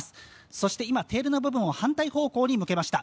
そして今、テールの部分を反対方向に向けました。